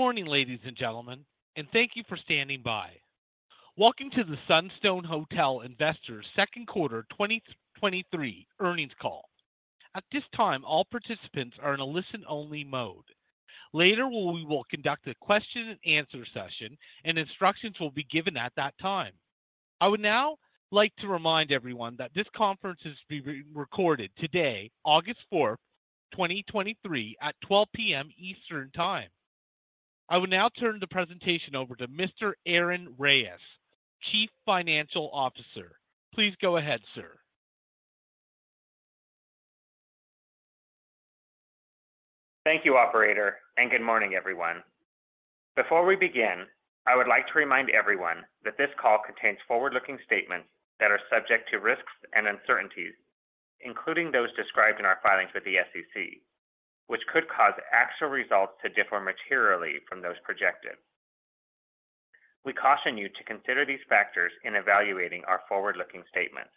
Good morning, ladies and gentlemen, and thank you for standing by. Welcome to the Sunstone Hotel Investors Q2 2023 Earnings Call. At this time, all participants are in a listen-only mode. Later, we will conduct a question and answer session, and instructions will be given at that time. I would now like to remind everyone that this conference is being recorded today, August 4, 2023, at 12:00 P.M. Eastern Time. I will now turn the presentation over to Mr. Aaron Reyes, Chief Financial Officer. Please go ahead, sir. Thank you, operator. Good morning, everyone. Before we begin, I would like to remind everyone that this call contains forward-looking statements that are subject to risks and uncertainties, including those described in our filings with the SEC, which could cause actual results to differ materially from those projected. We caution you to consider these factors in evaluating our forward-looking statements.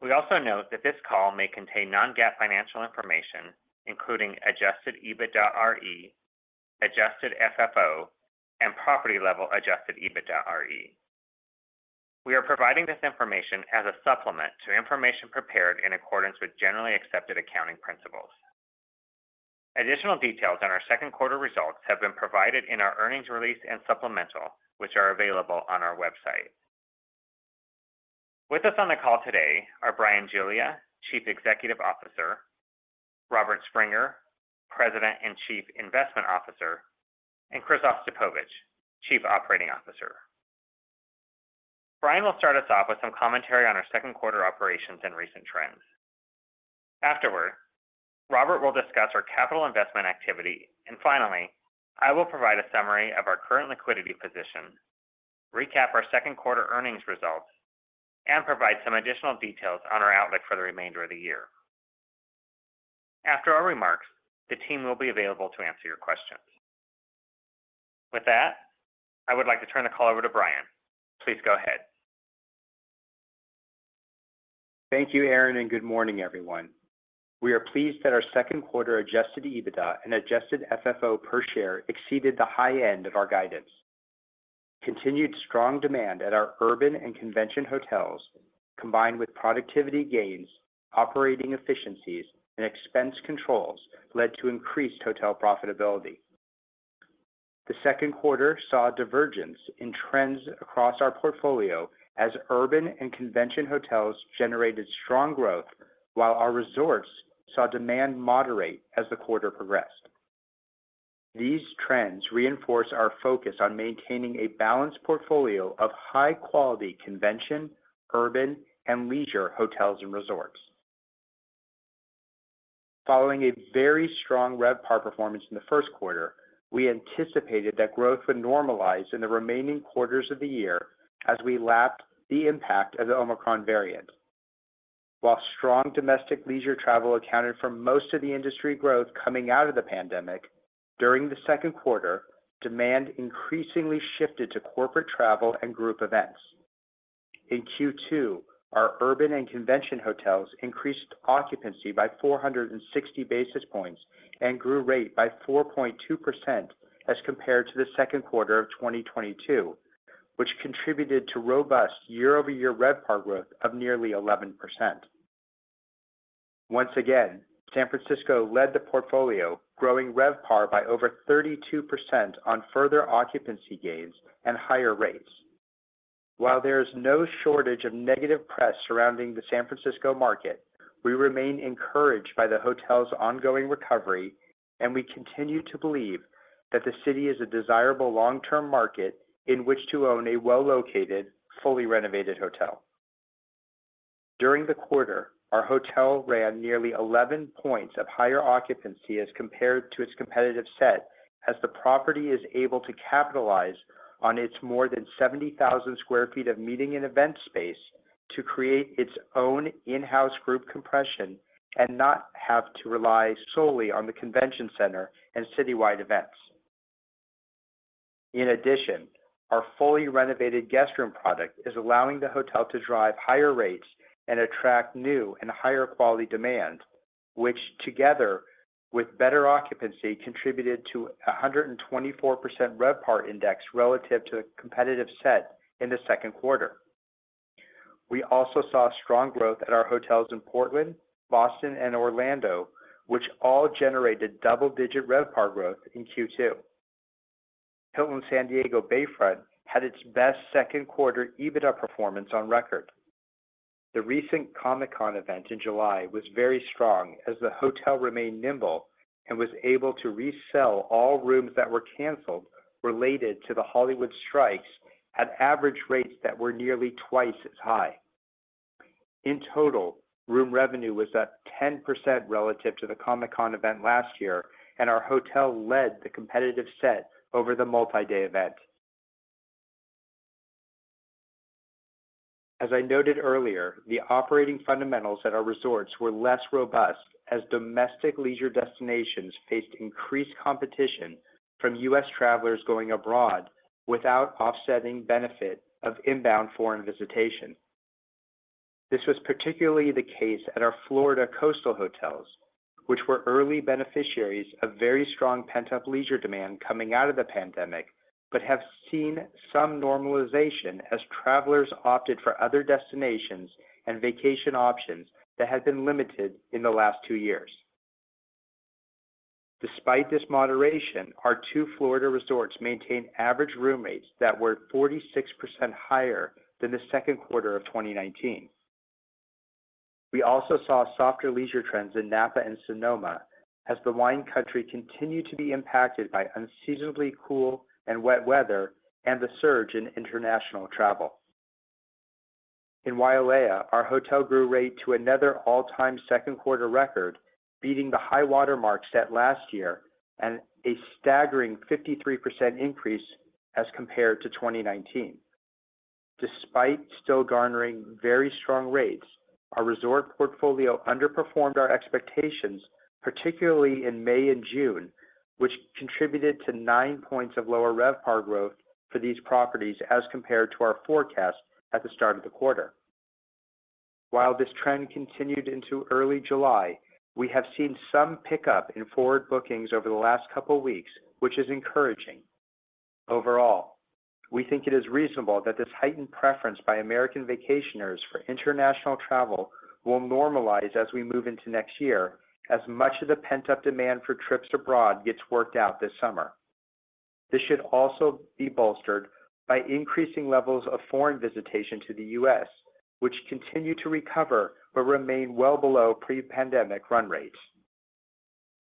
We also note that this call may contain non-GAAP financial information, including adjusted EBITDAre, adjusted FFO, and property-level adjusted EBITDAre. We are providing this information as a supplement to information prepared in accordance with generally accepted accounting principles. Additional details on our Q2 results have been provided in our earnings release and supplemental, which are available on our website. With us on the call today are Bryan Giglia, Chief Executive Officer, Robert Springer, President and Chief Investment Officer, and Chris Ostapowicz, Chief Operating Officer. Bryan will start us off with some commentary on our Q2 operations and recent trends. Afterward, Robert will discuss our capital investment activity, and finally, I will provide a summary of our current liquidity position, recap our Q2 earnings results, and provide some additional details on our outlook for the remainder of the year. After our remarks, the team will be available to answer your questions. With that, I would like to turn the call over to Bryan. Please go ahead. Thank you, Aaron. Good morning, everyone. We are pleased that our Q2 adjusted EBITDA and adjusted FFO per share exceeded the high end of our guidance. Continued strong demand at our urban and convention hotels, combined with productivity gains, operating efficiencies, and expense controls led to increased hotel profitability. The Q2 saw a divergence in trends across our portfolio as urban and convention hotels generated strong growth, while our resorts saw demand moderate as the quarter progressed. These trends reinforce our focus on maintaining a balanced portfolio of high-quality convention, urban, and leisure hotels and resorts. Following a very strong RevPAR performance in the Q1, we anticipated that growth would normalize in the remaining quarters of the year as we lapped the impact of the Omicron variant. While strong domestic leisure travel accounted for most of the industry growth coming out of the pandemic, during the Q2, demand increasingly shifted to corporate travel and group events. In Q2, our urban and convention hotels increased occupancy by 460 basis points and grew rate by 4.2% as compared to the Q2 of 2022, which contributed to robust year-over-year RevPAR growth of nearly 11%. Once again, San Francisco led the portfolio, growing RevPAR by over 32% on further occupancy gains and higher rates. While there is no shortage of negative press surrounding the San Francisco market, we remain encouraged by the hotel's ongoing recovery, and we continue to believe that the city is a desirable long-term market in which to own a well-located, fully renovated hotel. During the quarter, our hotel ran nearly 11 points of higher occupancy as compared to its competitive set, as the property is able to capitalize on its more than 70,000 sq ft of meeting and event space to create its own in-house group compression and not have to rely solely on the convention center and citywide events. In addition, our fully renovated guest room product is allowing the hotel to drive higher rates and attract new and higher quality demand, which together with better occupancy, contributed to a 124% RevPAR index relative to the competitive set in the Q2. We also saw strong growth at our hotels in Portland, Boston, and Orlando, which all generated double-digit RevPAR growth in Q2. Hilton San Diego Bayfront had its best Q2 EBITDA performance on record. The recent Comic-Con event in July was very strong, as the hotel remained nimble and was able to resell all rooms that were canceled related to the Hollywood strikes at average rates that were nearly twice as high. In total, room revenue was up 10% relative to the Comic-Con event last year, and our hotel led the competitive set over the multi-day event. As I noted earlier, the operating fundamentals at our resorts were less robust as domestic leisure destinations faced increased competition from U.S. travelers going abroad without offsetting benefit of inbound foreign visitation. This was particularly the case at our Florida coastal hotels, which were early beneficiaries of very strong pent-up leisure demand coming out of the pandemic, but have seen some normalization as travelers opted for other destinations and vacation options that had been limited in the last two years. Despite this moderation, our two Florida resorts maintained average room rates that were 46% higher than the Q2 of 2019. We also saw softer leisure trends in Napa and Sonoma as the wine country continued to be impacted by unseasonably cool and wet weather and the surge in international travel. In Wailea, our hotel grew rate to another all-time Q2 record, beating the high water mark set last year and a staggering 53% increase as compared to 2019. Despite still garnering very strong rates, our resort portfolio underperformed our expectations, particularly in May and June, which contributed to nine points of lower RevPAR growth for these properties as compared to our forecast at the start of the quarter. While this trend continued into early July, we have seen some pickup in forward bookings over the last couple weeks, which is encouraging. Overall, we think it is reasonable that this heightened preference by American vacationers for international travel will normalize as we move into next year, as much of the pent-up demand for trips abroad gets worked out this summer. This should also be bolstered by increasing levels of foreign visitation to the US, which continue to recover but remain well below pre-pandemic run rates.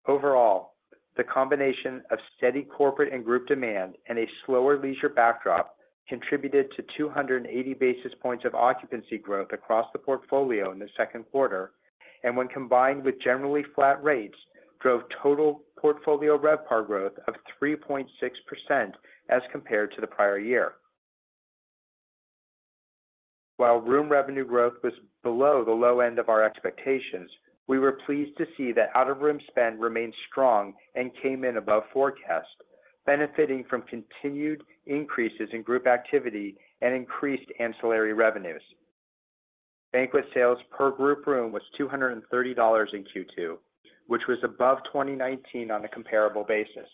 Overall, the combination of steady corporate and group demand and a slower leisure backdrop contributed to 280 basis points of occupancy growth across the portfolio in the Q2, and when combined with generally flat rates, drove total portfolio RevPAR growth of 3.6% as compared to the prior year. While room revenue growth was below the low end of our expectations, we were pleased to see that out-of-room spend remained strong and came in above forecast, benefiting from continued increases in group activity and increased ancillary revenues. Banquet sales per group room was $230 in Q2, which was above 2019 on a comparable basis.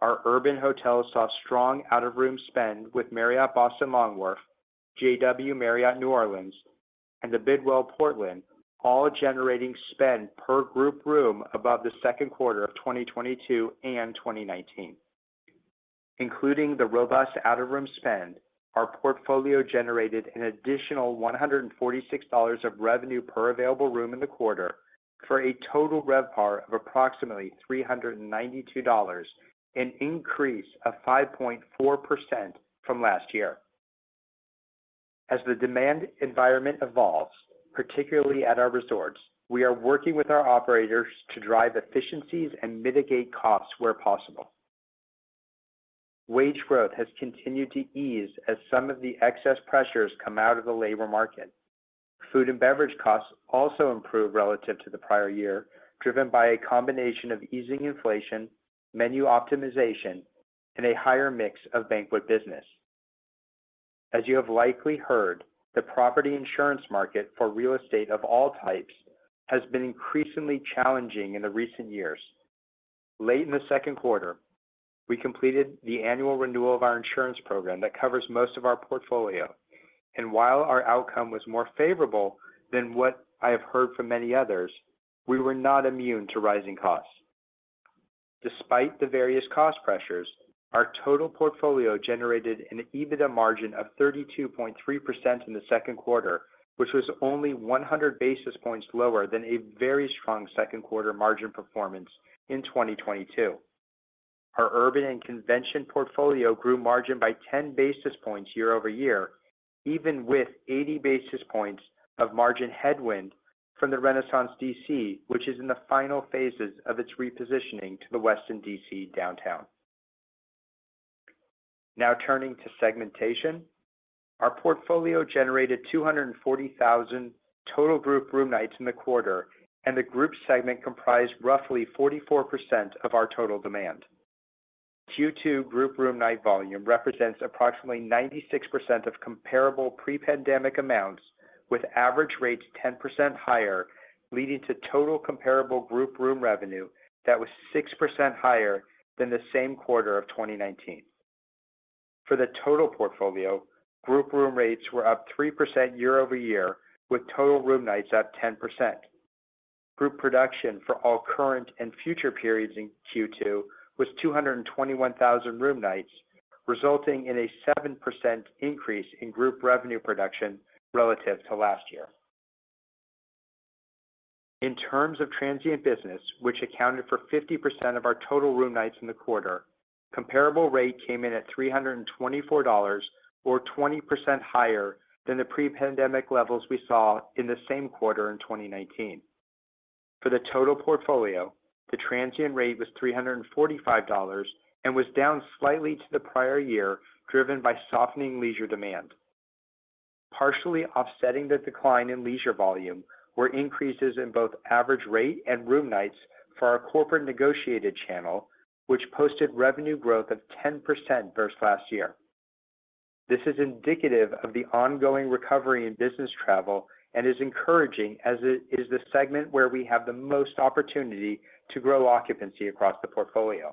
Our urban hotels saw strong out-of-room spend with Boston Marriott Long Wharf, JW Marriott New Orleans, and The Bidwell Marriott Portland, all generating spend per group room above the Q2 of 2022 and 2019. Including the robust out-of-room spend, our portfolio generated an additional $146 of revenue per available room in the quarter for a total RevPAR of approximately $392, an increase of 5.4% from last year. As the demand environment evolves, particularly at our resorts, we are working with our operators to drive efficiencies and mitigate costs where possible. Wage growth has continued to ease as some of the excess pressures come out of the labor market. Food and beverage costs also improved relative to the prior year, driven by a combination of easing inflation, menu optimization, and a higher mix of banquet business. As you have likely heard, the property insurance market for real estate of all types has been increasingly challenging in the recent years. Late in the Q2, we completed the annual renewal of our insurance program that covers most of our portfolio, and while our outcome was more favorable than what I have heard from many others, we were not immune to rising costs. Despite the various cost pressures, our total portfolio generated an EBITDA margin of 32.3% in the Q2, which was only 100 basis points lower than a very strong Q2 margin performance in 2022. Our urban and convention portfolio grew margin by 10 basis points year-over-year, even with 80 basis points of margin headwind from the Renaissance D.C., which is in the final phases of its repositioning to the Westin D.C. Downtown. Turning to segmentation. Our portfolio generated 240,000 total group room nights in the quarter, and the group segment comprised roughly 44% of our total demand. Q2 group room night volume represents approximately 96% of comparable pre-pandemic amounts, with average rates 10% higher, leading to total comparable group room revenue that was 6% higher than the same quarter of 2019. For the total portfolio, group room rates were up 3% year-over-year, with total room nights up 10%. Group production for all current and future periods in Q2 was 221,000 room nights, resulting in a 7% increase in group revenue production relative to last year. In terms of transient business, which accounted for 50% of our total room nights in the quarter, comparable rate came in at $324, or 20% higher than the pre-pandemic levels we saw in the same quarter in 2019. For the total portfolio, the transient rate was $345 and was down slightly to the prior year, driven by softening leisure demand. Partially offsetting the decline in leisure volume were increases in both average rate and room nights for our corporate negotiated channel, which posted revenue growth of 10% versus last year. This is indicative of the ongoing recovery in business travel and is encouraging as it is the segment where we have the most opportunity to grow occupancy across the portfolio.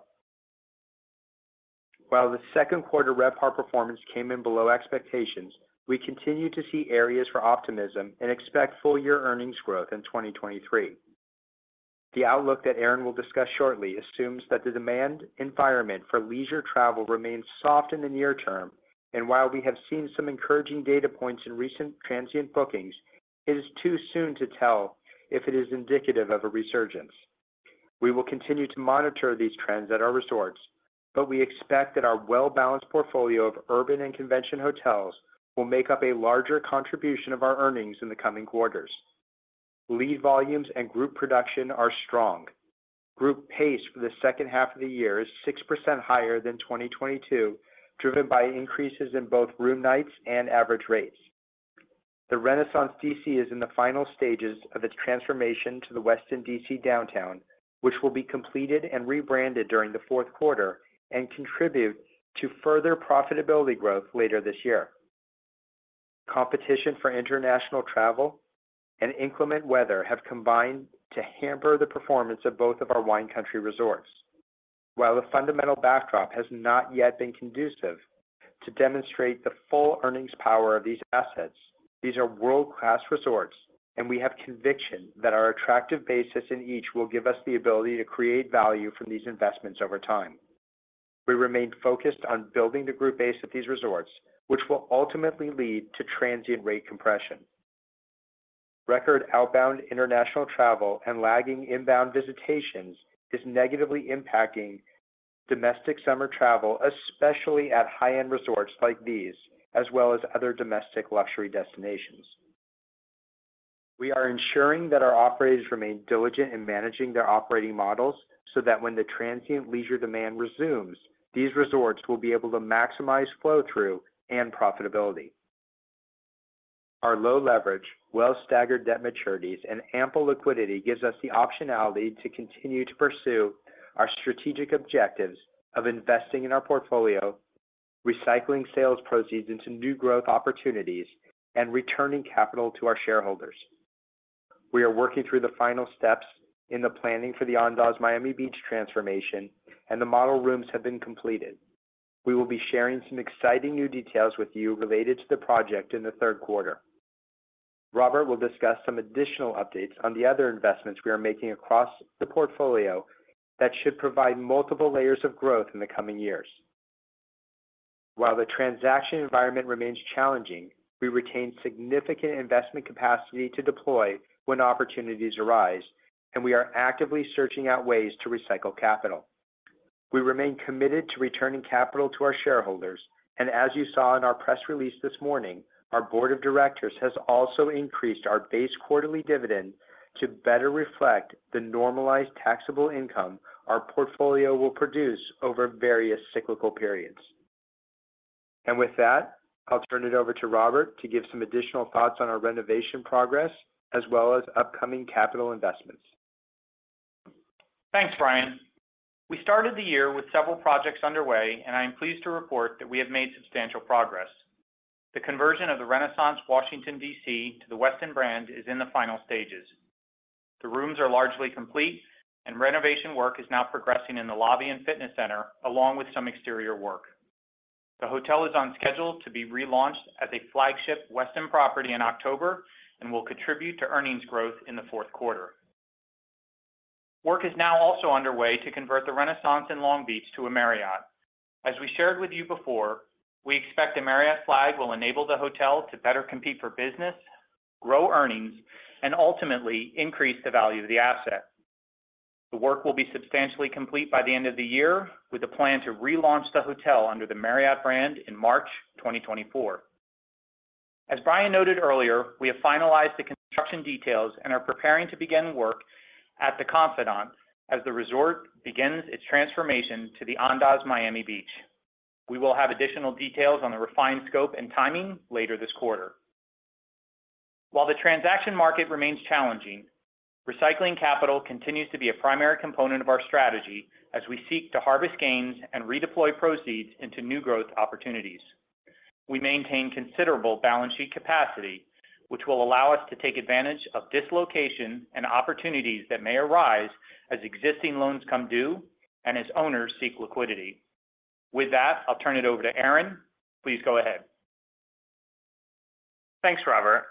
While the Q2 RevPAR performance came in below expectations, we continue to see areas for optimism and expect full year earnings growth in 2023. The outlook that Aaron will discuss shortly assumes that the demand environment for leisure travel remains soft in the near term, and while we have seen some encouraging data points in recent transient bookings, it is too soon to tell if it is indicative of a resurgence. We will continue to monitor these trends at our resorts. We expect that our well-balanced portfolio of urban and convention hotels will make up a larger contribution of our earnings in the coming quarters. Lead volumes and group production are strong. Group pace for the second half of the year is 6% higher than 2022, driven by increases in both room nights and average rates. The Renaissance D.C. is in the final stages of its transformation to the Westin D.C. Downtown, which will be completed and rebranded during the Q4 and contribute to further profitability growth later this year. Competition for international travel and inclement weather have combined to hamper the performance of both of our Wine Country resorts. While the fundamental backdrop has not yet been conducive to demonstrate the full earnings power of these assets, these are world-class resorts, and we have conviction that our attractive basis in each will give us the ability to create value from these investments over time. We remain focused on building the group base at these resorts, which will ultimately lead to transient rate compression. Record outbound international travel and lagging inbound visitations is negatively impacting domestic summer travel, especially at high-end resorts like these, as well as other domestic luxury destinations. We are ensuring that our operators remain diligent in managing their operating models so that when the transient leisure demand resumes, these resorts will be able to maximize flow-through and profitability. Our low leverage, well staggered debt maturities, and ample liquidity gives us the optionality to continue to pursue our strategic objectives of investing in our portfolio, recycling sales proceeds into new growth opportunities, and returning capital to our shareholders. We are working through the final steps in the planning for the Andaz Miami Beach transformation, and the model rooms have been completed. We will be sharing some exciting new details with you related to the project in the Q3. Robert will discuss some additional updates on the other investments we are making across the portfolio that should provide multiple layers of growth in the coming years. While the transaction environment remains challenging, we retain significant investment capacity to deploy when opportunities arise, and we are actively searching out ways to recycle capital. We remain committed to returning capital to our shareholders. As you saw in our press release this morning, our board of directors has also increased our base quarterly dividend to better reflect the normalized taxable income our portfolio will produce over various cyclical periods. With that, I'll turn it over to Robert to give some additional thoughts on our renovation progress, as well as upcoming capital investments. Thanks, Bryan. We started the year with several projects underway, and I am pleased to report that we have made substantial progress. The conversion of the Renaissance, Washington, D.C., to the Westin brand is in the final stages. The rooms are largely complete, and renovation work is now progressing in the lobby and fitness center, along with some exterior work. The hotel is on schedule to be relaunched as a flagship Westin property in October and will contribute to earnings growth in the Q4. Work is now also underway to convert the Renaissance in Long Beach to a Marriott. As we shared with you before, we expect a Marriott flag will enable the hotel to better compete for business, grow earnings, and ultimately increase the value of the asset. The work will be substantially complete by the end of the year, with a plan to relaunch the hotel under the Marriott brand in March 2024. As Bryan noted earlier, we have finalized the construction details and are preparing to begin work at The Confidante as the resort begins its transformation to the Andaz Miami Beach. We will have additional details on the refined scope and timing later this quarter. While the transaction market remains challenging, recycling capital continues to be a primary component of our strategy as we seek to harvest gains and redeploy proceeds into new growth opportunities. We maintain considerable balance sheet capacity, which will allow us to take advantage of dislocation and opportunities that may arise as existing loans come due and as owners seek liquidity. With that, I'll turn it over to Aaron. Please go ahead. Thanks, Robert.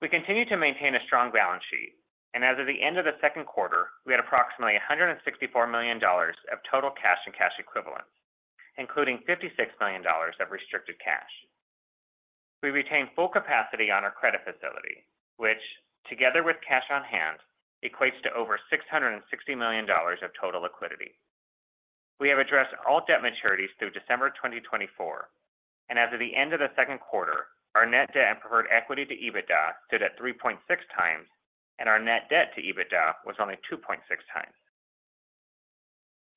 We continue to maintain a strong balance sheet. As of the end of the Q2, we had approximately $164 million of total cash and cash equivalents, including $56 million of restricted cash. We retain full capacity on our credit facility, which, together with cash on hand, equates to over $660 million of total liquidity. We have addressed all debt maturities through December 2024. As of the end of the Q2, our net debt and preferred equity to EBITDA stood at 3.6x, and our net debt to EBITDA was only 2.6x.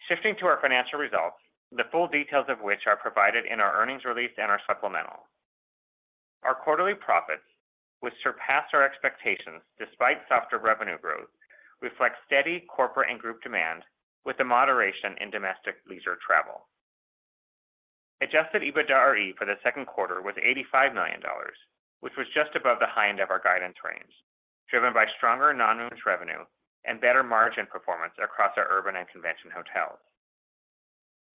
Shifting to our financial results, the full details of which are provided in our earnings release and our supplemental.... Our quarterly profits, which surpassed our expectations despite softer revenue growth, reflect steady corporate and group demand with a moderation in domestic leisure travel. adjusted EBITDAre for the Q2 was $85 million, which was just above the high end of our guidance range, driven by stronger non-rooms revenue and better margin performance across our urban and convention hotels.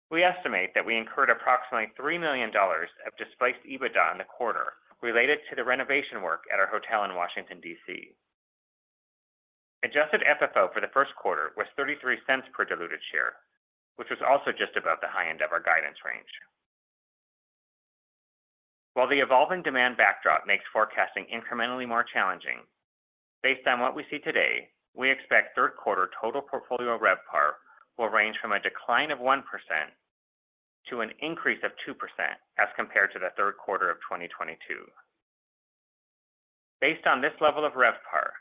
We estimate that we incurred approximately $3 million of displaced EBITDA in the quarter, related to the renovation work at our hotel in Washington, D.C. adjusted FFO for the Q1 was $0.33 per diluted share, which was also just above the high end of our guidance range. While the evolving demand backdrop makes forecasting incrementally more challenging, based on what we see today, we expect Q3 total portfolio RevPAR will range from a decline of 1% to an increase of 2% as compared to the Q3 of 2022. Based on this level of RevPAR,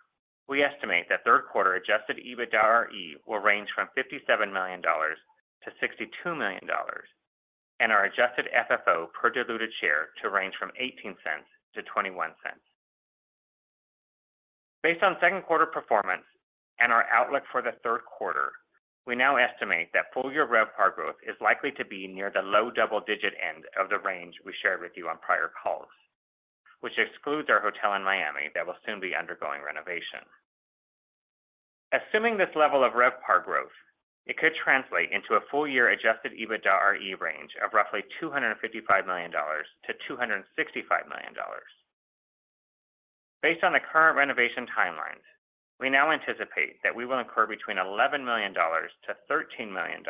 we estimate that Q3 adjusted EBITDAre will range from $57-$62 million, and our adjusted FFO per diluted share to range from $0.18-$0.21. Based on Q2 performance and our outlook for the Q3, we now estimate that full year RevPAR growth is likely to be near the low double-digit end of the range we shared with you on prior calls, which excludes our hotel in Miami that will soon be undergoing renovation. Assuming this level of RevPAR growth, it could translate into a full year adjusted EBITDAre range of roughly $255-$265 million. Based on the current renovation timelines, we now anticipate that we will incur between $11 to $13 million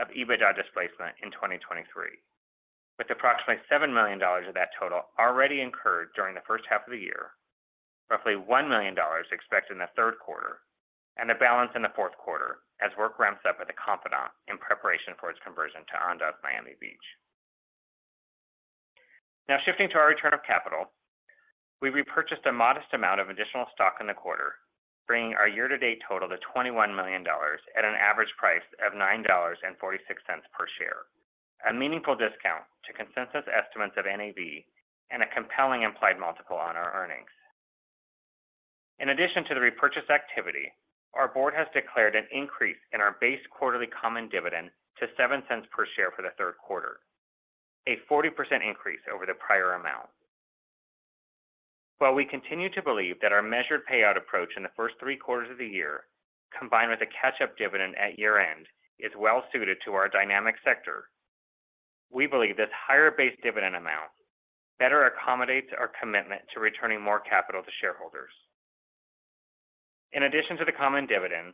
of EBITDA displacement in 2023, with approximately $7 million of that total already incurred during the first half of the year, roughly $1 million expected in the Q3, and the balance in the Q4 as work ramps up at The Confidante in preparation for its conversion to Andaz Miami Beach. Now, shifting to our return of capital, we repurchased a modest amount of additional stock in the quarter, bringing our year-to-date total to $21 million at an average price of $9.46 per share, a meaningful discount to consensus estimates of NAV and a compelling implied multiple on our earnings. In addition to the repurchase activity, our board has declared an increase in our base quarterly common dividend to $0.07 per share for the Q3, a 40% increase over the prior amount. While we continue to believe that our measured payout approach in the first three quarters of the year, combined with a catch-up dividend at year-end, is well suited to our dynamic sector, we believe this higher base dividend amount better accommodates our commitment to returning more capital to shareholders. In addition to the common dividend,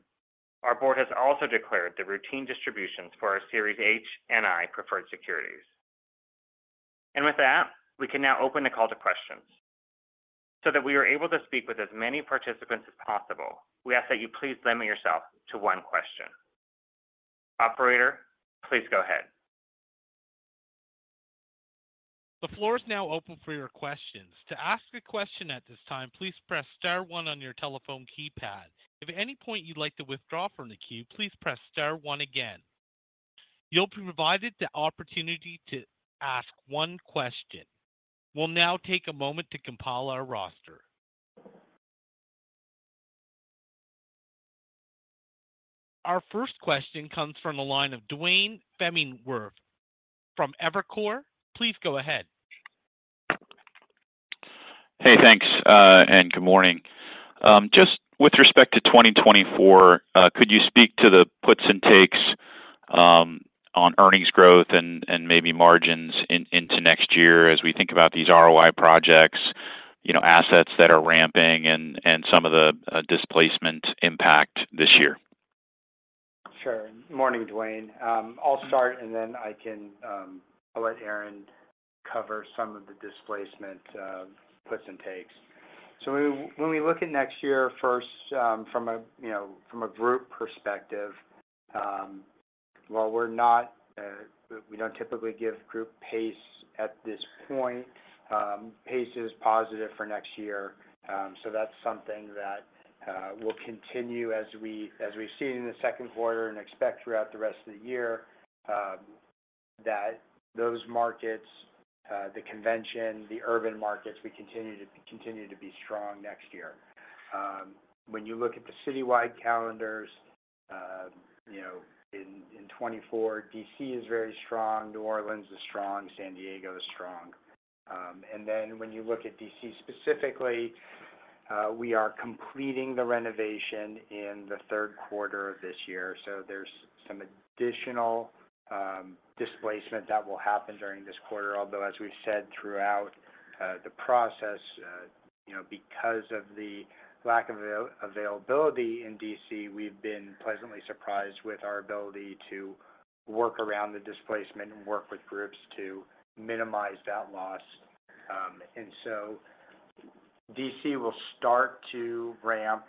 our board has also declared the routine distributions for our Series H and I preferred securities. With that, we can now open the call to questions. That we are able to speak with as many participants as possible, we ask that you please limit yourself to one question. Operator, please go ahead. The floor is now open for your questions. To ask a question at this time, please press star one on your telephone keypad. If at any point you'd like to withdraw from the queue, please press star one again. You'll be provided the opportunity to ask one question. We'll now take a moment to compile our roster. Our first question comes from the line of Duane Pfennigwerth from Evercore. Please go ahead. Hey, thanks, and good morning. Just with respect to 2024, could you speak to the puts and takes, on earnings growth and, and maybe margins into next year as we think about these ROI projects, you know, assets that are ramping and, and some of the, displacement impact this year? Sure. Morning, Duane. I'll start, and then I can, I'll let Aaron cover some of the displacement, puts and takes. When we, when we look at next year, first, from a, you know, from a group perspective, while we're not, we don't typically give group pace at this point, pace is positive for next year. That's something that will continue as we've seen in the Q2 and expect throughout the rest of the year, that those markets, the convention, the urban markets, we continue to, continue to be strong next year. When you look at the citywide calendars, you know, in, in 2024, D.C. is very strong, New Orleans is strong, San Diego is strong. Then when you look at D.C. specifically, we are completing the renovation in the Q3 of this year, so there's some additional displacement that will happen during this quarter. Although, as we've said throughout the process, you know, because of the lack of availability in D.C., we've been pleasantly surprised with our ability to work around the displacement and work with groups to minimize that loss. So D.C. will start to ramp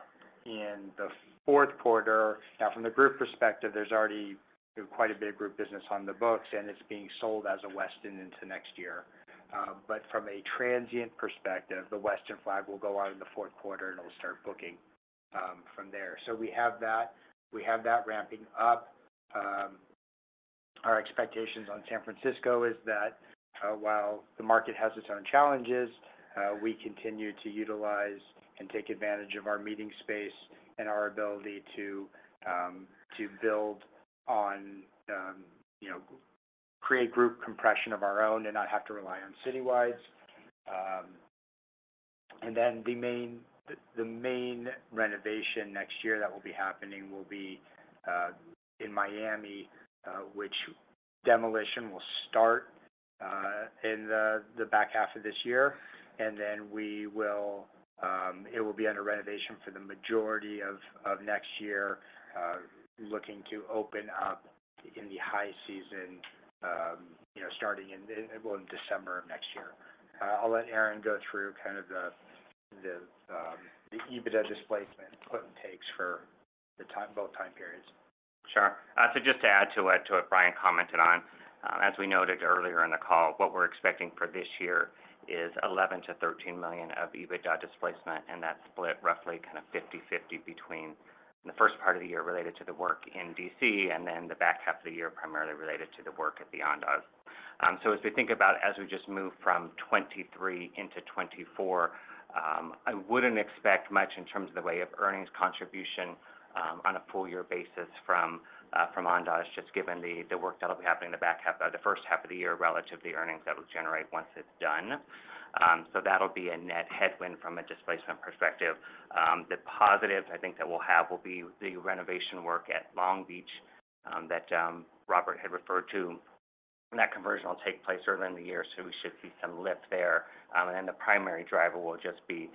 in the Q4. Now, from the group perspective, there's already quite a big group business on the books, and it's being sold as a Westin into next year. From a transient perspective, the Westin flag will go out in the Q4, and it'll start booking from there. So we have that, we have that ramping up. Our expectations on San Francisco is that, while the market has its own challenges, we continue to utilize and take advantage of our meeting space and our ability to, to build on, you know, create group compression of our own and not have to rely on citywides. The main, the, the main renovation next year that will be happening will be in Miami, which demolition will start in the, the back half of this year. It will be under renovation for the majority of, of next year, looking to open up in the high season, you know, starting in, in, well, in December of next year. I'll let Aaron go through kind of the, EBITDA displacement put and takes for both time periods. Sure. Just to add to what, to what Bryan commented on, as we noted earlier in the call, what we're expecting for this year is $11-$13 million of EBITDA displacement, and that's split roughly kind of 50/50 between the first part of the year related to the work in D.C., and then the back half of the year, primarily related to the work at the Andaz. As we think about as we just move from 2023 into 2024, I wouldn't expect much in terms of the way of earnings contribution on a full year basis from Andaz, just given the work that'll be happening in the back half, the first half of the year relative to the earnings that we'll generate once it's done. That'll be a net headwind from a displacement perspective. The positive, I think that we'll have, will be the renovation work at Long Beach, that Robert had referred to, and that conversion will take place earlier in the year, so we should see some lift there. Then the primary driver will just be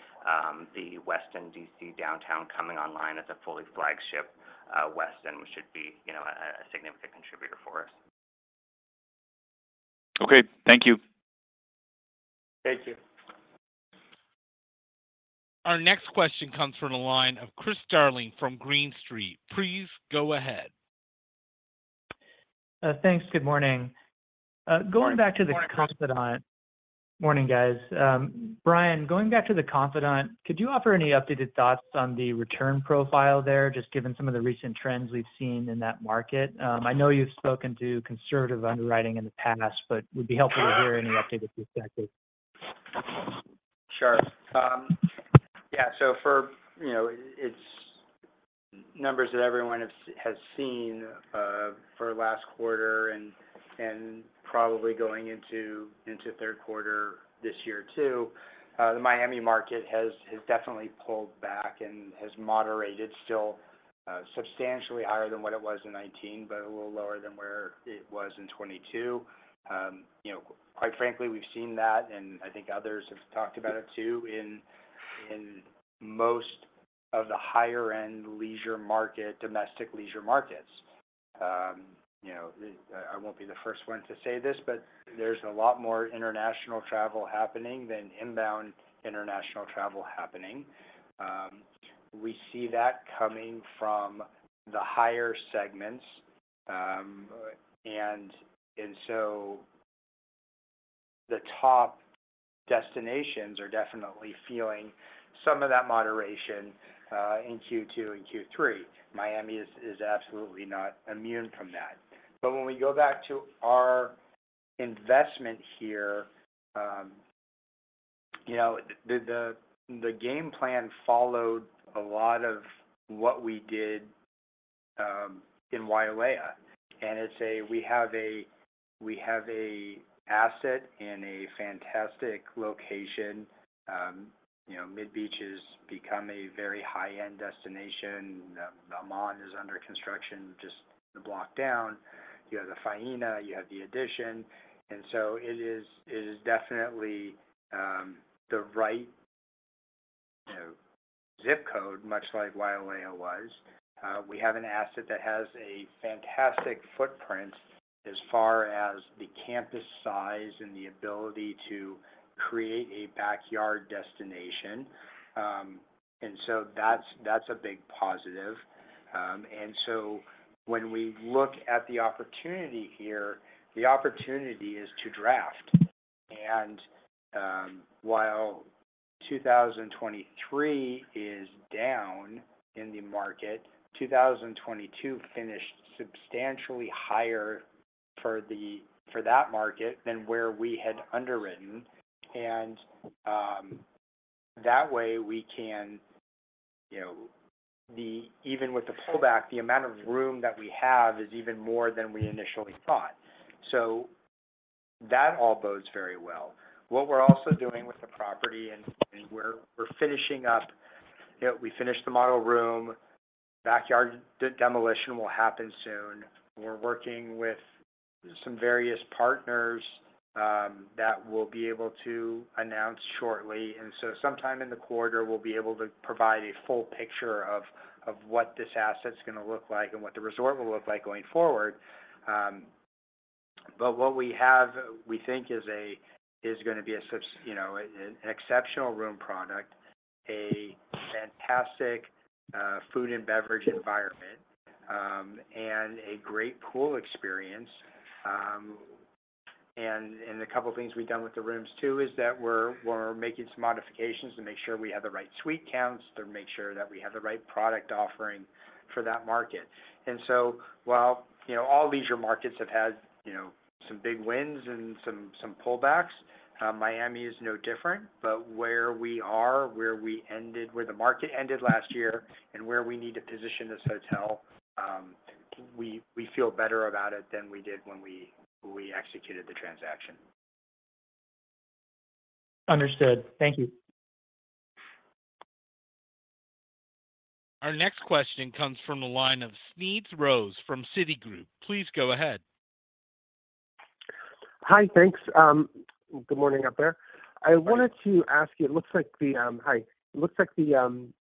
the Westin D.C. Downtown coming online as a fully flagship Westin, which should be, you know, a, a significant contributor for us. Okay. Thank you. Thank you. Our next question comes from the line of Chris Darling from Green Street. Please go ahead. Thanks. Good morning. Going back to The Confidante- Good morning. Morning, guys. Bryan, going back to The Confidante, could you offer any updated thoughts on the return profile there, just given some of the recent trends we've seen in that market? I know you've spoken to conservative underwriting in the past, but it would be helpful to hear any updated perspective. Sure. Yeah, so for, you know, it's numbers that everyone has, has seen, for last quarter and, and probably going into, into Q3 this year, too. The Miami market has, has definitely pulled back and has moderated, still, substantially higher than what it was in 2019, but a little lower than where it was in 2022. You know, quite frankly, we've seen that, and I think others have talked about it, too, in, in most of the higher-end leisure market, domestic leisure markets. You know, I, I won't be the first one to say this, but there's a lot more international travel happening than inbound international travel happening. We see that coming from the higher segments, and, and so the top destinations are definitely feeling some of that moderation, in Q2 and Q3. Miami is, is absolutely not immune from that. When we go back to our investment here, you know, the, the, the game plan followed a lot of what we did in Wailea, and it's a. We have a, we have a asset in a fantastic location. You know, mid-beach has become a very high-end destination. Aman is under construction just a block down. You have the Faena, you have the EDITION, it is, it is definitely, the right, you know, zip code, much like Wailea was. We have an asset that has a fantastic footprint as far as the campus size and the ability to create a backyard destination. That's, that's a big positive. When we look at the opportunity here, the opportunity is to draft. While 2023 is down in the market, 2022 finished substantially higher for that market than where we had underwritten. That way we can, you know, even with the pullback, the amount of room that we have is even more than we initially thought. That all bodes very well. What we're also doing with the property, and we're finishing up, you know, we finished the model room, backyard demolition will happen soon. We're working with some various partners that we'll be able to announce shortly. Sometime in the quarter, we'll be able to provide a full picture of, of what this asset is gonna look like and what the resort will look like going forward. What we have, we think, is you know, an exceptional room product, a fantastic food and beverage environment, and a great pool experience. A couple of things we've done with the rooms, too, is that we're, we're making some modifications to make sure we have the right suite counts, to make sure that we have the right product offering for that market. While, you know, all leisure markets have had, you know, some big wins and some, some pullbacks, Miami is no different. Where we are, where we ended-- where the market ended last year and where we need to position this hotel, we, we feel better about it than we did when we, when we executed the transaction. Understood. Thank you. Our next question comes from the line of Smedes Rose from Citigroup. Please go ahead. Hi, thanks. Good morning out there. I wanted to ask you, it looks like the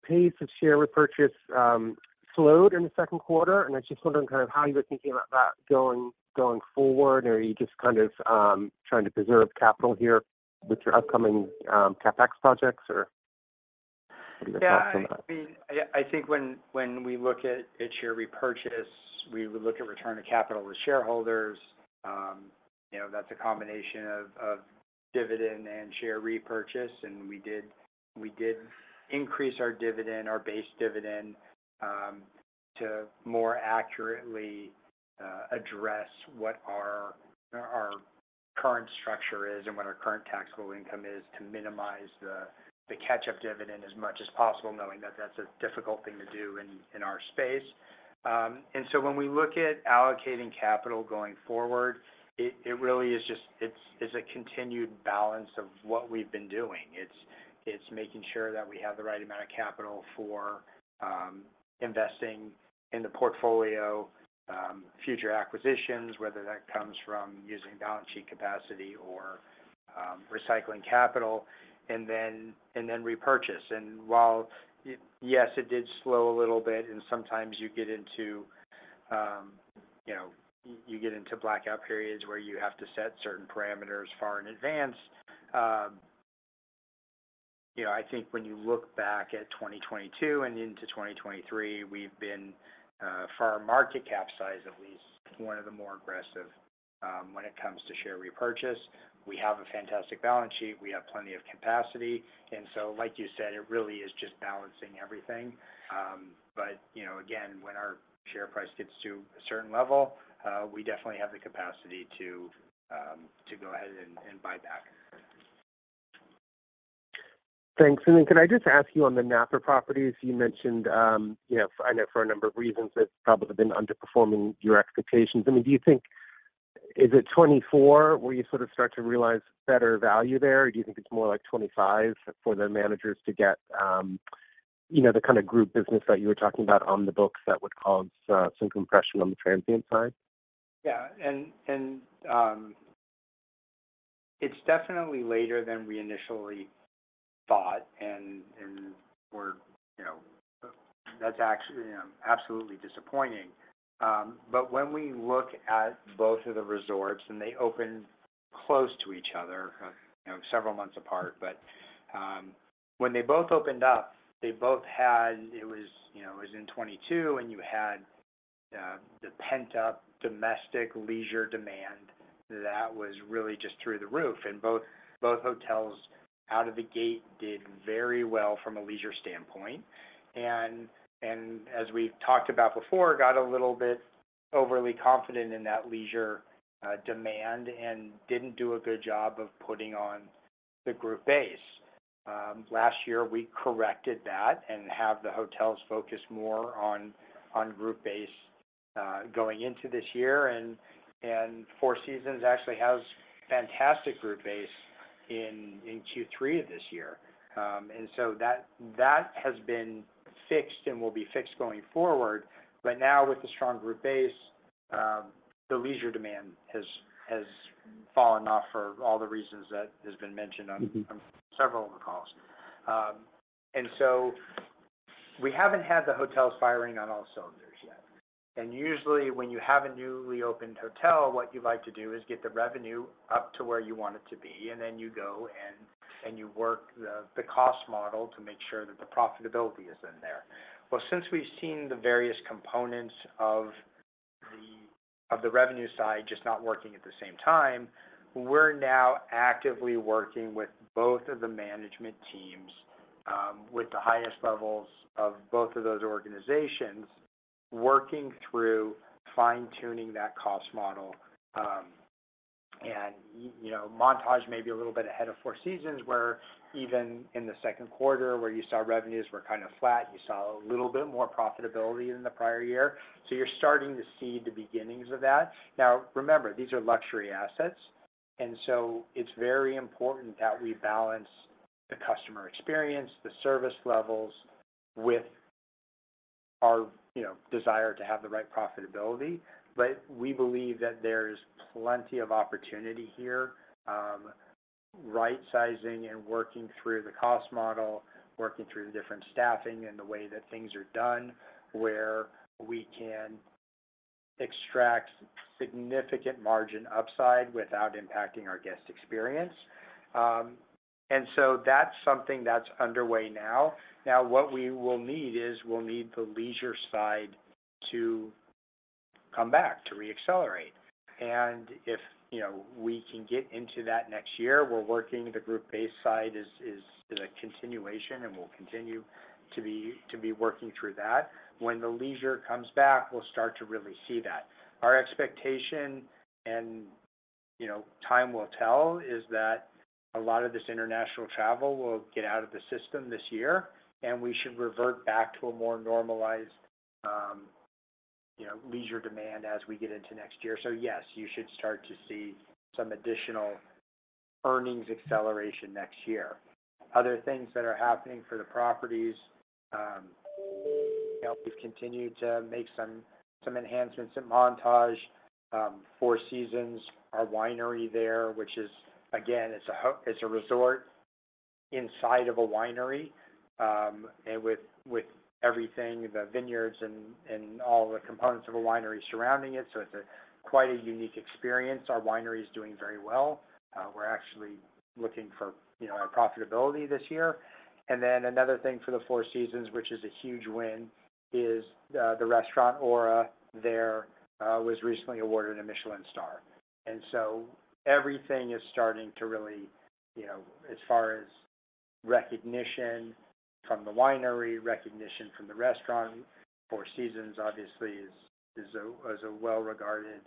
pace of share repurchase slowed in the Q2, and I just wondering kind of how you were thinking about that going, going forward, or are you just kind of trying to preserve capital here with your upcoming CapEx projects, or any thoughts on that? Yeah, I mean, I, I think when, when we look at, at share repurchase, we would look at return of capital to shareholders. You know, that's a combination of, of dividend and share repurchase, and we did, we did increase our dividend, our base dividend, to more accurately, address what our, our current structure is and what our current taxable income is to minimize the, the catch-up dividend as much as possible, knowing that that's a difficult thing to do in, in our space. So when we look at allocating capital going forward, it, it really is It's, it's a continued balance of what we've been doing. It's, it's making sure that we have the right amount of capital for investing in the portfolio, future acquisitions, whether that comes from using balance sheet capacity or recycling capital, and then, and then repurchase. While, yes, it did slow a little bit, and sometimes you get into, you know, you get into blackout periods where you have to set certain parameters far in advance, you know, I think when you look back at 2022 and into 2023, we've been, for our market cap size, at least, one of the more aggressive, when it comes to share repurchase. We have a fantastic balance sheet. We have plenty of capacity. So, like you said, it really is just balancing everything. You know, again, when our share price gets to a certain level, we definitely have the capacity to, to go ahead and, and buy back. Thanks. Could I just ask you on the Napa properties, you mentioned, you know, I know for a number of reasons, it's probably been underperforming your expectations. I mean, do you think, is it 2024, where you sort of start to realize better value there, or do you think it's more like 2025 for the managers to get, you know, the kind of group business that you were talking about on the books that would cause some compression on the transient side? Yeah. And, and it's definitely later than we initially thought, and, and we're, you know... That's actually absolutely disappointing. When we look at both of the resorts, and they opened close to each other, you know, several months apart, but when they both opened up, they both had, you know, it was in 2022, and you had the pent-up domestic leisure demand that was really just through the roof. Both, both hotels out of the gate did very well from a leisure standpoint. As we talked about before, got a little bit overly confident in that leisure demand and didn't do a good job of putting on the group base. Last year, we corrected that and have the hotels focus more on, on group base going into this year. Four Seasons actually has fantastic group base in Q3 of this year. So that, that has been fixed and will be fixed going forward. Now, with the strong group base, the leisure demand has, has fallen off for all the reasons that has been mentioned on- Mm-hmm Several of the calls. So we haven't had the hotels firing on all cylinders yet. Usually, when you have a newly opened hotel, what you like to do is get the revenue up to where you want it to be, and then you go, and, and you work the, the cost model to make sure that the profitability is in there. Since we've seen the various components of the, of the revenue side just not working at the same time, we're now actively working with both of the management teams, with the highest levels of both of those organizations, working through fine-tuning that cost model. You know, Montage may be a little bit ahead of Four Seasons, where even in the Q2 where you saw revenues were kind of flat, you saw a little bit more profitability than the prior year. You're starting to see the beginnings of that. Remember, these are luxury assets, it's very important that we balance the customer experience, the service levels with our, you know, desire to have the right profitability. We believe that there's plenty of opportunity here, right-sizing and working through the cost model, working through the different staffing and the way that things are done, where we can extract significant margin upside without impacting our guest experience. That's something that's underway now. What we will need is, we'll need the leisure side to come back, to reaccelerate. If, you know, we can get into that next year, we're working, the group base side is, is a continuation, and we'll continue to be, to be working through that. When the leisure comes back, we'll start to really see that. Our expectation and, you know, time will tell, is that a lot of this international travel will get out of the system this year, and we should revert back to a more normalized, you know, leisure demand as we get into next year. Yes, you should start to see some additional earnings acceleration next year. Other things that are happening for the properties, you know, we've continued to make some, some enhancements at Montage, Four Seasons, our winery there, which is again, it's a resort inside of a winery, and with, with everything, the vineyards and, and all the components of a winery surrounding it, so it's a quite a unique experience. Our winery is doing very well. We're actually looking for, you know, our profitability this year. Another thing for the Four Seasons, which is a huge win, is the restaurant, Auro, there, was recently awarded a Michelin star. Everything is starting to really, you know, as far as recognition from the winery, recognition from the restaurant, Four Seasons, obviously is, is a, is a well-regarded,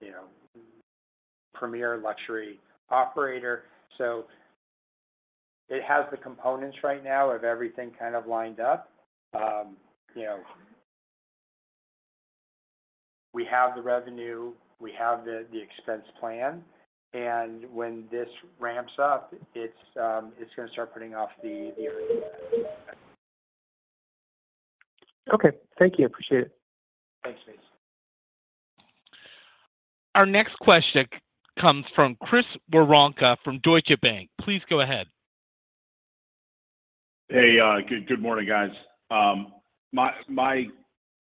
you know, premier luxury operator. It has the components right now of everything kind of lined up. You know, we have the revenue, we have the, the expense plan, and when this ramps up, it's, it's gonna start putting off the, the... Okay. Thank you. I appreciate it. Thanks, Chase. Our next question comes from Chris Woronka from Deutsche Bank. Please go ahead. Hey, good, good morning, guys.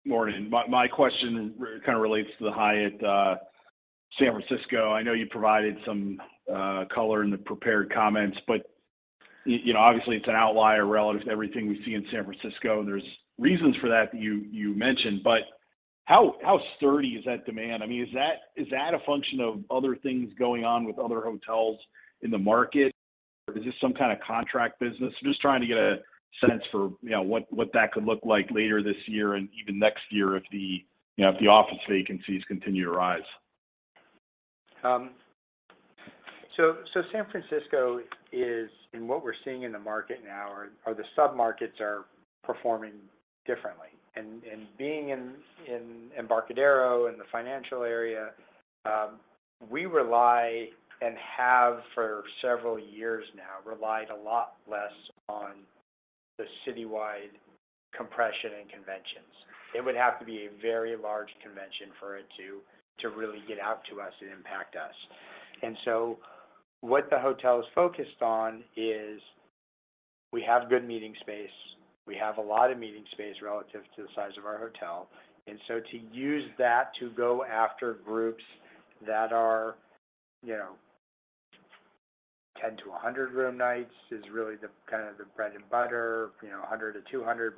Morning. My, my question kind of relates to the Hyatt San Francisco. I know you provided some color in the prepared comments, but you know, obviously, it's an outlier relative to everything we see in San Francisco, and there's reasons for that, you, you mentioned. How, how sturdy is that demand? I mean, is that, is that a function of other things going on with other hotels in the market, or is this some kind of contract business? I'm just trying to get a sense for, you know, what, what that could look like later this year and even next year if the, you know, if the office vacancies continue to rise. So San Francisco is, and what we're seeing in the market now, are the submarkets are performing differently. Being in Embarcadero, in the financial area, we rely and have for several years now, relied a lot less on the citywide compression and conventions. It would have to be a very large convention for it to really get out to us and impact us. So what the hotel is focused on is we have good meeting space. We have a lot of meeting space relative to the size of our hotel, and so to use that to go after groups that are, you know, 10 to 100 room nights is really the kind of the bread and butter, you know, 100 to 200.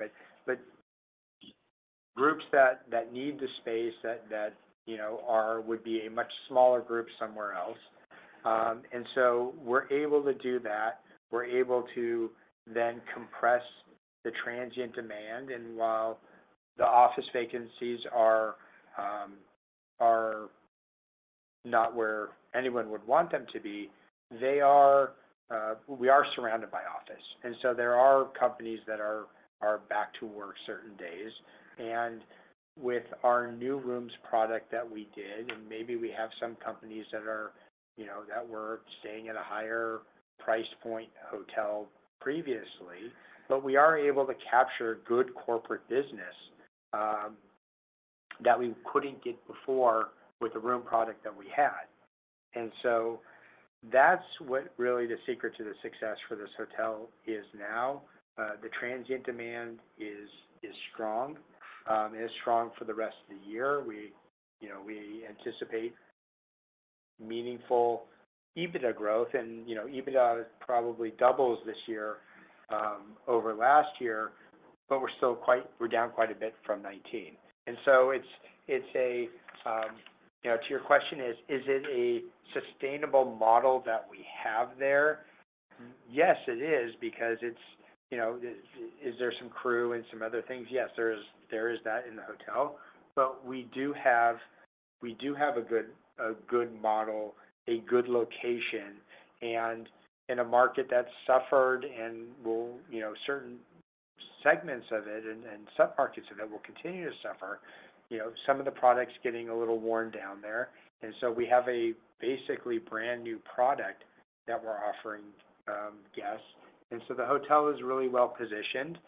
Groups that, that need the space that, that, you know, would be a much smaller group somewhere else. So we're able to do that. We're able to then compress the transient demand, while the office vacancies are not where anyone would want them to be, they are. We are surrounded by office, and so there are companies that are, are back to work certain days. With our new rooms product that we did, and maybe we have some companies that are, you know, that were staying at a higher price point hotel previously, but we are able to capture good corporate business that we couldn't get before with the room product that we had. So that's what really the secret to the success for this hotel is now. The transient demand is strong, is strong for the rest of the year. We, you know, we anticipate meaningful EBITDA growth, and, you know, EBITDA probably doubles this year over last year, but we're still we're down quite a bit from 2019. You know, to your question, is it a sustainable model that we have there? Yes, it is because it's, you know, is there some crew and some other things? Yes, there is, there is that in the hotel, but we do have, we do have a good, a good model, a good location, and in a market that's suffered and will, you know, certain segments of it and, and submarkets of it will continue to suffer. You know, some of the products getting a little worn down there. We have a basically brand-new product that we're offering guests. The hotel is really well-positioned.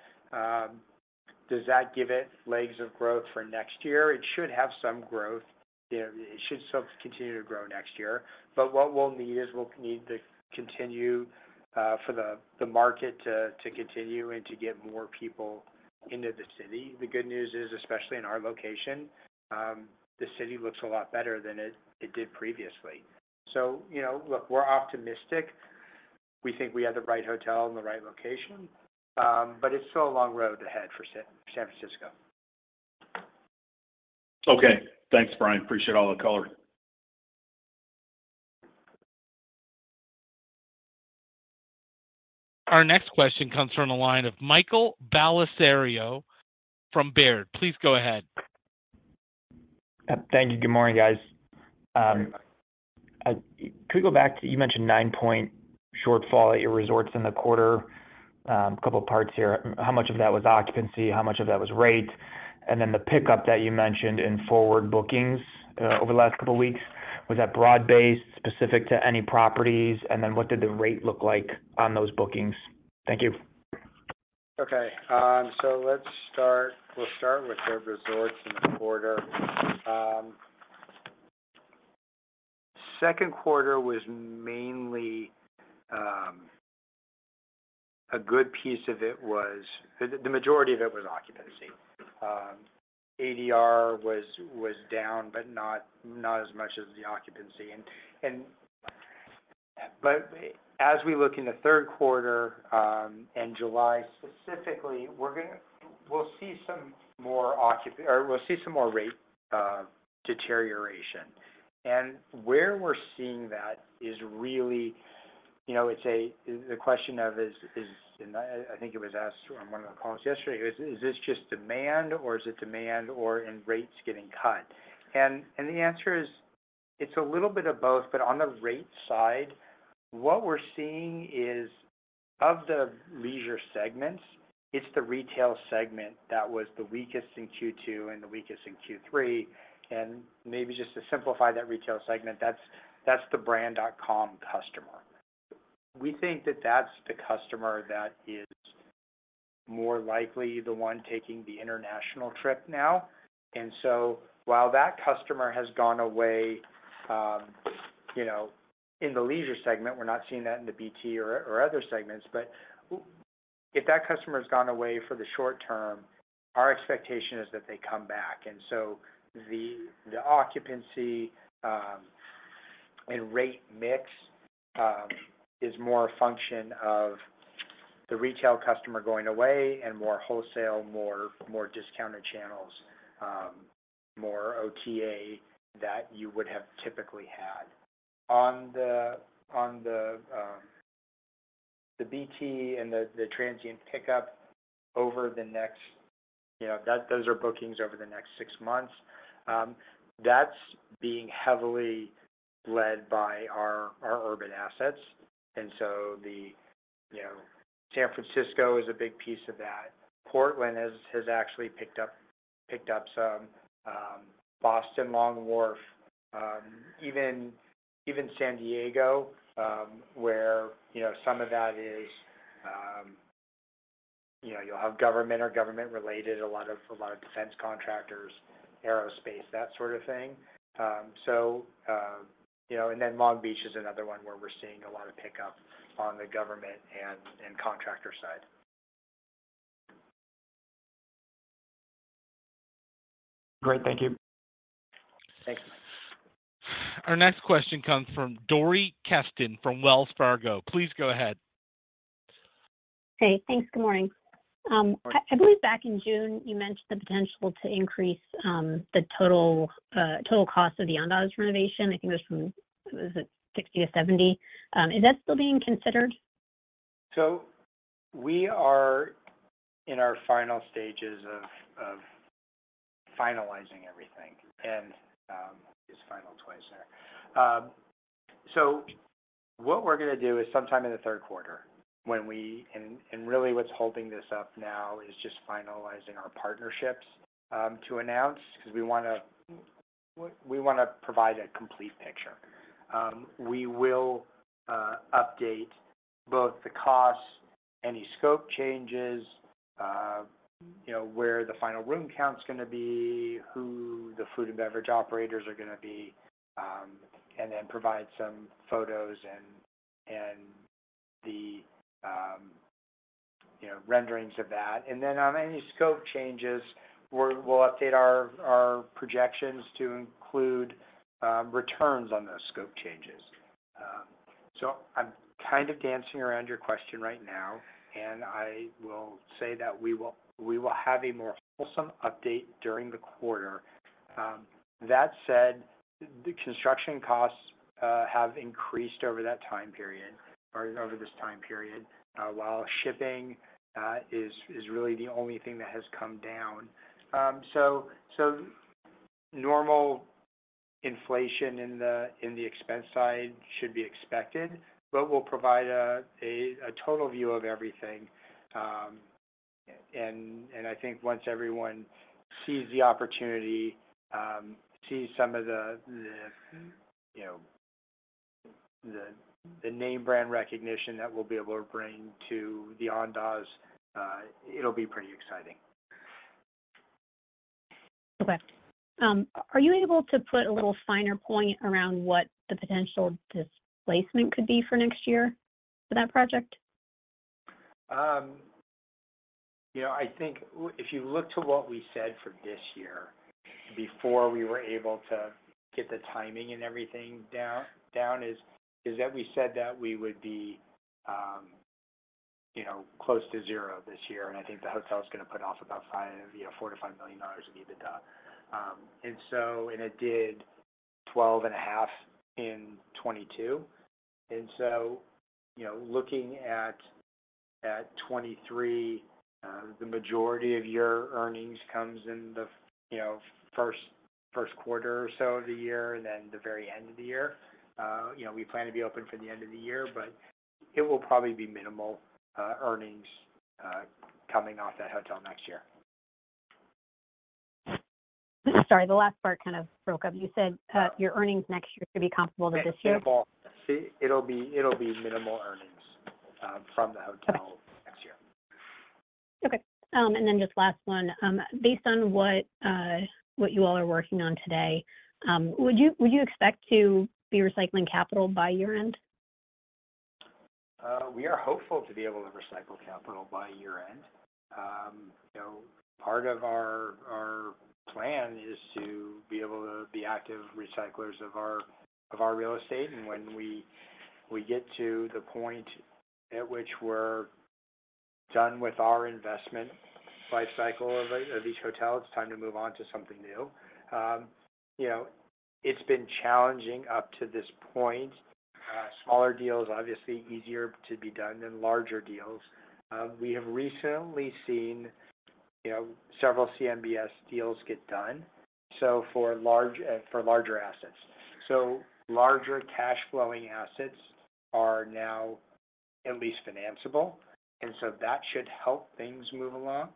Does that give it legs of growth for next year? It should have some growth. It should still continue to grow next year. What we'll need is we'll need to continue for the market to continue and to get more people into the city. The good news is, especially in our location, the city looks a lot better than it did previously. You know, look, we're optimistic. We think we have the right hotel in the right location, it's still a long road ahead for San Francisco. Okay. Thanks, Bryan. Appreciate all the color. Our next question comes from the line of Michael Bellisario from Baird. Please go ahead. Thank you. Good morning, guys. Good morning. Could we go back you mentioned 9-point shortfall at your resorts in the quarter. A couple parts here. How much of that was occupancy? How much of that was rate? The pickup that you mentioned in forward bookings over the last couple weeks, was that broad-based, specific to any properties? What did the rate look like on those bookings? Thank you. Okay. We'll start with the resorts in the quarter. Q2 was mainly, a good piece of it was, the majority of it was occupancy. ADR was, was down, but not, not as much as the occupancy. As we look in the Q3, and July specifically, we'll see some more or we'll see some more rate, deterioration. Where we're seeing that is really, you know, it's the question of is, is, and I, I think it was asked on one of the calls yesterday, "Is, is this just demand, or is it demand or, and rates getting cut?" The answer is, it's a little bit of both, but on the rate side, what we're seeing is, of the leisure segments, it's the retail segment that was the weakest in Q2 and the weakest in Q3. Maybe just to simplify that retail segment, that's the brand.com customer. We think that that's the customer that is more likely the one taking the international trip now. So while that customer has gone away, you know, in the leisure segment, we're not seeing that in the BT or, or other segments. If that customer's gone away for the short term, our expectation is that they come back. The, the occupancy, and rate mix, is more a function of the retail customer going away and more wholesale, more, more discounted channels, more OTA that you would have typically had. On the, on the, the BT and the, the transient pickup over the next, you know, those are bookings over the next 6 months, that's being heavily led by our, our urban assets. The, you know, San Francisco is a big piece of that. Portland has, has actually picked up, picked up some, Boston Long Wharf, even, even San Diego, where, you know, some of that is, you know, you'll have government or government-related, a lot of, a lot of defense contractors, aerospace, that sort of thing. You know, Long Beach is another one, where we're seeing a lot of pickup on the government and contractor side. Great. Thank you. Thanks. Our next question comes from Dori Kesten from Wells Fargo. Please go ahead. Hey, thanks. Good morning. Good morning. I, I believe back in June, you mentioned the potential to increase, the total, total cost of the Andaz renovation. I think it was from, was it 60 to 70? Is that still being considered? We are in our final stages of, of finalizing everything, and I used final twice there. What we're gonna do is sometime in the Q3, when really what's holding this up now is just finalizing our partnerships to announce, 'cause we wanna provide a complete picture. We will update both the costs, any scope changes, you know, where the final room count's gonna be, who the food and beverage operators are gonna be, and then provide some photos and, and the, you know, renderings of that. On any scope changes, we'll update our, our projections to include returns on those scope changes. I'm kind of dancing around your question right now, and I will say that we will, we will have a more wholesome update during the quarter. That said, the construction costs have increased over that time period or over this time period, while shipping is really the only thing that has come down. Normal inflation in the expense side should be expected, but we'll provide a total view of everything. I think once everyone sees the opportunity, sees some of the, the, you know, the, the name brand recognition that we'll be able to bring to the Andaz, it'll be pretty exciting. Okay. Are you able to put a little finer point around what the potential displacement could be for next year for that project? You know, I think if you look to what we said for this year, before we were able to get the timing and everything down, down, is, is that we said that we would be, you know, close to zero this year, and I think the hotel is going to put off about $4 million-$5 million of EBITDA. So, it did $12.5 million in 2022. So, you know, looking at 2023, the majority of your earnings comes in the, you know, Q1 or so of the year, and then the very end of the year. You know, we plan to be open for the end of the year, but it will probably be minimal earnings coming off that hotel next year. Sorry, the last part kind of broke up. You said, your earnings next year could be comparable to this year? Minimal. It'll be, it'll be minimal earnings from the hotel- Okay. next year. Okay. Then just last one. Based on what you all are working on today, would you, would you expect to be recycling capital by year-end? We are hopeful to be able to recycle capital by year-end. You know, part of our, our plan is to be able to be active recyclers of our, of our real estate, and when we, we get to the point at which we're done with our investment life cycle of, of each hotel, it's time to move on to something new. You know, it's been challenging up to this point. Smaller deals, obviously, easier to be done than larger deals. We have recently seen, you know, several CMBS deals get done, so for large, for larger assets. Larger cash flowing assets are now at least financeable, and so that should help things move along.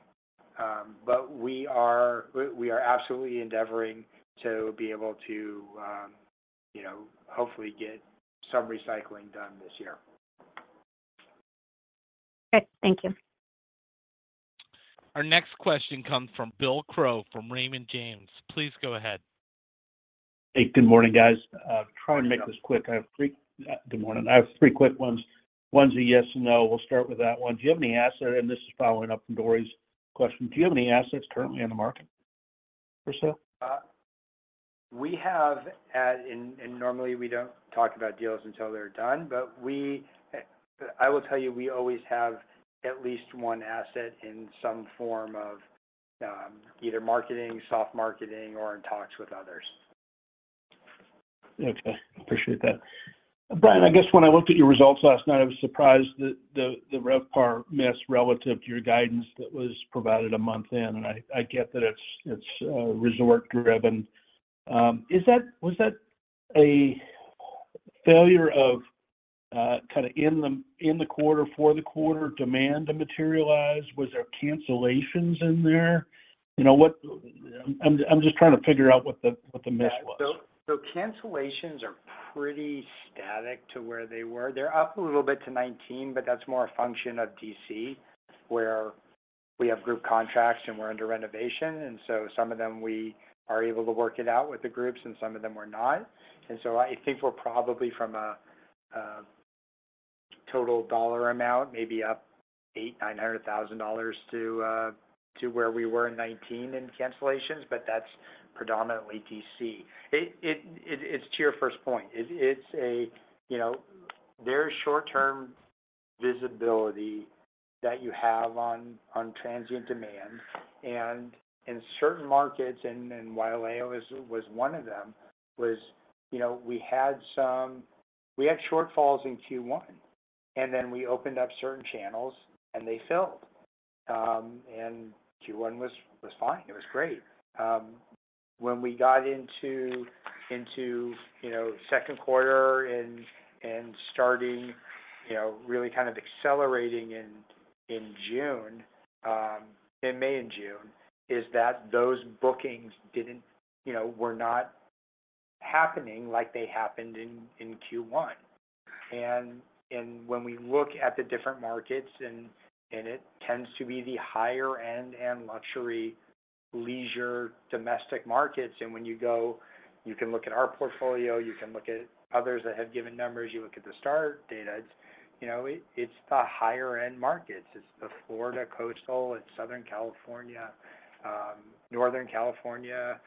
We are, we are absolutely endeavoring to be able to, you know, hopefully get some recycling done this year. Okay. Thank you. Our next question comes from Bill Crow, from Raymond James. Please go ahead. Hey, good morning, guys. Trying to make this quick. Good morning. I have three quick ones. One's a yes or no. We'll start with that one. Do you have any assets, and this is following up from Dory's question: Do you have any assets currently on the market for sale? We have. And normally we don't talk about deals until they're done, but we, I will tell you, we always have at least one asset in some form of, either marketing, soft marketing, or in talks with others. Okay. Appreciate that. Bryan, I guess when I looked at your results last night, I was surprised that the, the RevPAR miss relative to your guidance that was provided a month in, and I, I get that it's, it's resort driven. Was that a failure of kind of in the, in the quarter, for the quarter, demand to materialize? Was there cancellations in there? You know what? I'm just trying to figure out what the, what the miss was? Cancellations are pretty static to where they were. They're up a little bit to 19, but that's more a function of D.C., where we have group contracts, and we're under renovation, so some of them, we are able to work it out with the groups, and some of them we're not. So I think we're probably from a total dollar amount, maybe up $800,000, $900,000 to where we were in 2019 in cancellations, but that's predominantly D.C. It, it, it's to your first point. It, it's a, you know, very short-term visibility that you have on transient demand. In certain markets, and Wailea was, was one of them, was, you know, we had shortfalls in Q1, then we opened up certain channels, and they filled. Q1 was, was fine. It was great. When we got into, into, you know, Q2 and, and starting, you know, really kind of accelerating in, in June, in May and June, is that those bookings didn't... You know, were not happening like they happened in, in Q1. When we look at the different markets, and it tends to be the higher end and luxury, leisure, domestic markets, and when you go, you can look at our portfolio, you can look at others that have given numbers, you look at the STR data, it's, you know, it's the higher end markets. It's the Florida coastal, it's Southern California, Northern California,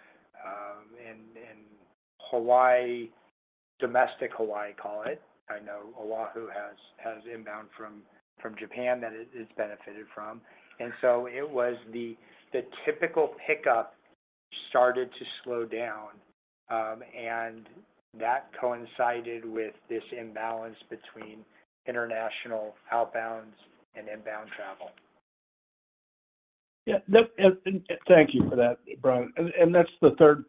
and Hawaii, domestic Hawaii, call it. I know Oahu has, has inbound from, from Japan that it, it's benefited from. It was the, the typical pickup started to slow down, and that coincided with this imbalance between international outbounds and inbound travel. Yeah. No, thank you for that, Bryan. That's the third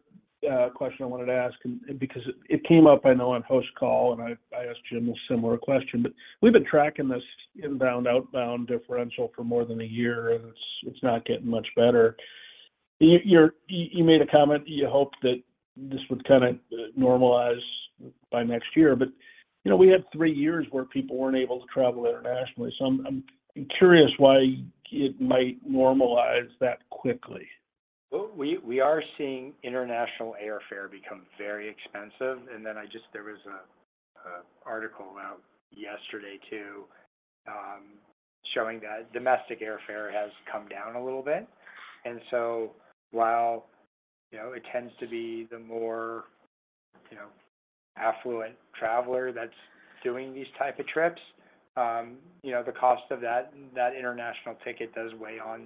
question I wanted to ask, because it came up, I know, on post call, and I asked Jim a similar question, but we've been tracking this inbound-outbound differential for more than 1 year, and it's not getting much better. You made a comment, you hoped that this would kind of normalize by next year, you know, we had 3 years where people weren't able to travel internationally. I'm curious why it might normalize that quickly. Well, we, we are seeing international airfare become very expensive. I just, there was a article out yesterday, too, showing that domestic airfare has come down a little bit. While, you know, it tends to be the more, you know, affluent traveler that's doing these type of trips, you know, the cost of that, that international ticket does weigh on,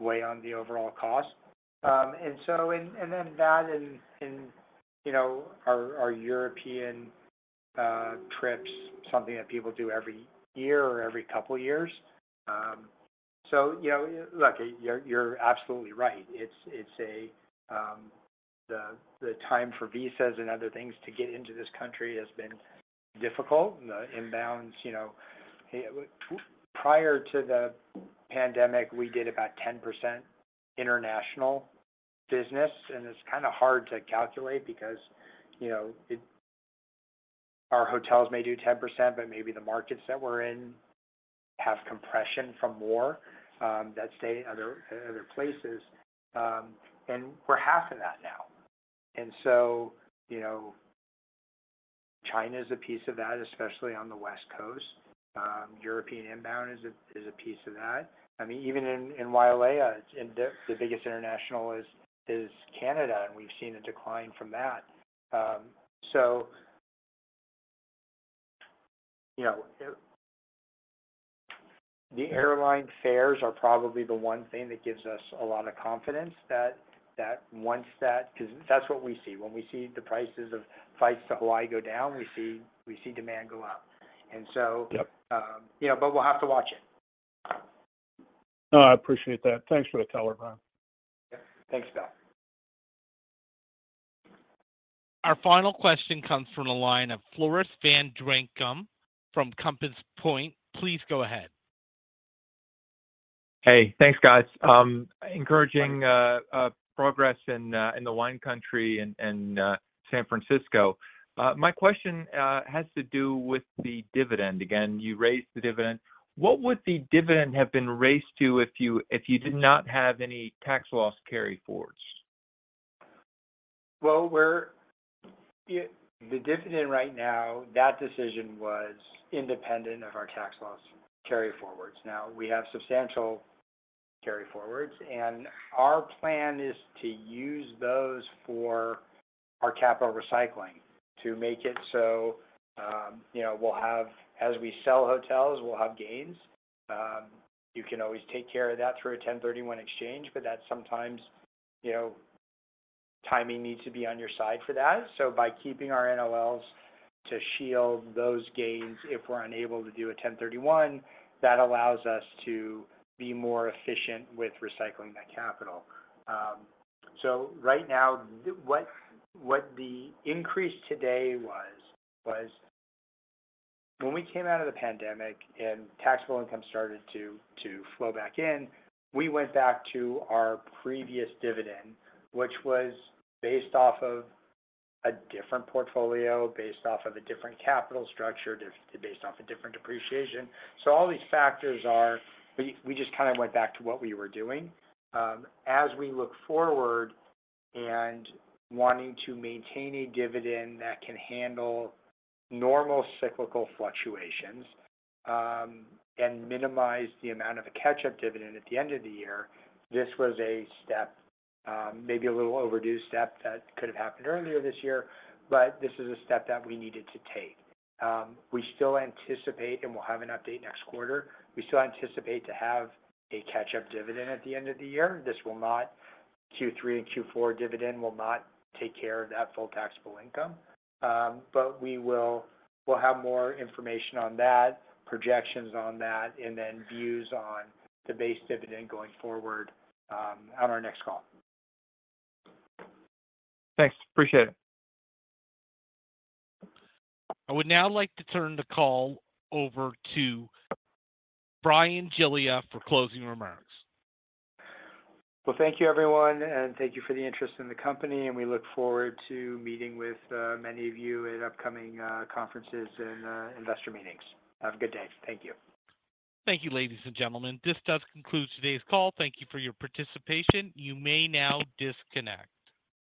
weigh on the overall cost. That in, in, you know, our, our European trips, something that people do every year or every couple years. You know, look, you're, you're absolutely right. It's, it's a, the, the time for visas and other things to get into this country has been difficult. The inbounds, you know, Prior to the pandemic, we did about 10% international business, and it's kind of hard to calculate because, you know, our hotels may do 10%, but maybe the markets that we're in have compression from more that stay in other, other places. We're half of that now. You know, China is a piece of that, especially on the West Coast. European inbound is a, is a piece of that. I mean, even in, in Wailea, the, the biggest international is, is Canada, and we've seen a decline from that. You know, the airline fares are probably the one thing that gives us a lot of confidence that, that once because that's what we see. When we see the prices of flights to Hawaii go down, we see, we see demand go up. And so- Yep. you know, we'll have to watch it. No, I appreciate that. Thanks for the color, Bryan. Yeah. Thanks, Bill. Our final question comes from the line of Floris van Dijkum from Compass Point. Please go ahead. Hey, thanks, guys. Encouraging progress in the wine country and San Francisco. My question has to do with the dividend. Again, you raised the dividend. What would the dividend have been raised to if you, if you did not have any tax loss carryforwards? We're The dividend right now, that decision was independent of our tax loss carryforwards. We have substantial carryforwards, and our plan is to use those for our capital recycling to make it so, you know, we'll have, as we sell hotels, we'll have gains. You can always take care of that through a 1031 exchange, but that sometimes, you know, timing needs to be on your side for that. By keeping our NOLs to shield those gains, if we're unable to do a 1031, that allows us to be more efficient with recycling that capital. Right now, what, what the increase today was, was when we came out of the pandemic and taxable income started to, to flow back in, we went back to our previous dividend, which was based off of a different portfolio, based off of a different capital structure, based off a different depreciation. All these factors are. We, we just kind of went back to what we were doing. As we look forward and wanting to maintain a dividend that can handle normal cyclical fluctuations, and minimize the amount of a catch-up dividend at the end of the year, this was a step, maybe a little overdue step that could have happened earlier this year, but this is a step that we needed to take. We still anticipate, and we'll have an update next quarter, we still anticipate to have a catch-up dividend at the end of the year. This will not, Q3 and Q4 dividend will not take care of that full taxable income. We'll have more information on that, projections on that, and then views on the base dividend going forward, on our next call. Thanks. Appreciate it. I would now like to turn the call over to Bryan Giglia for closing remarks. Well, thank you, everyone, and thank you for the interest in the company, and we look forward to meeting with many of you at upcoming conferences and investor meetings. Have a good day. Thank you. Thank you, ladies and gentlemen. This does conclude today's call. Thank you for your participation. You may now disconnect.